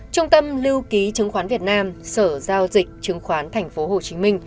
trung tâm lưu ký trường khoán việt nam sở giao dịch trường khoán tp hcm